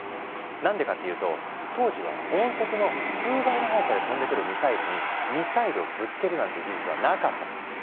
なんでかっていうと当時は音速の数倍の速さで飛んでくるミサイルにミサイルをぶつけるなんていう技術はなかったから。